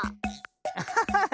アハハハ！